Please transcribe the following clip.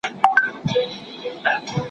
ما دي د میني سوداګر له کوڅې وشړله